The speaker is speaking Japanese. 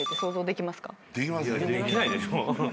できないでしょ。